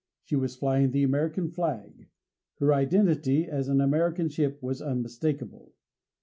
She was flying the American flag. Her identity as an American ship was unmistakable.